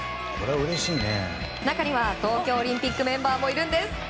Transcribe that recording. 中には、東京オリンピックのメンバーもいるんです。